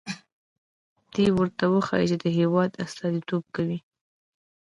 دې ورته وښيي چې د هېواد استازیتوب کوي.